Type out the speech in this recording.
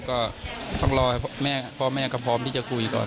ก็ต้องรอให้พ่อแม่ก็พร้อมที่จะคุยก่อน